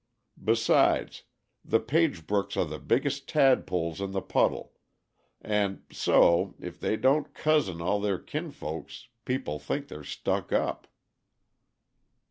Besides, the Pagebrooks are the biggest tadpoles in the puddle; and so, if they don't 'cousin' all their kin folks people think they're stuck up."